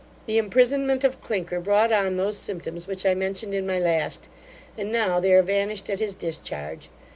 The imprisonment of Clinker brought on those symptoms which I mentioned in my last, and now they are vanished at his discharge.